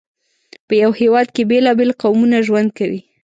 په یو هېواد کې بېلابېل قومونه ژوند کوي.